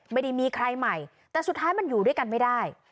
ไม่ได้มีใครใหม่แต่สุดท้ายมันอยู่ด้วยกันไม่ได้